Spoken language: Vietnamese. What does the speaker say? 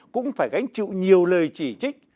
cũng phải gánh chịu nhiều lời chỉ trích